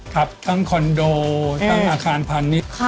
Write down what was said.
ขับทั้งคอนโดทั้งอาคารพันธุ์นี้